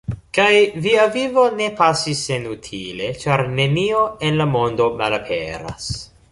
Kaj via vivo ne pasis senutile, ĉar nenio en la mondo malaperas.